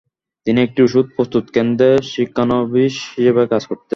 তিনি একটি ঔষধ প্রস্তুতকেন্দ্রে শিক্ষানবিশ হিসেবে কাজ করতেন।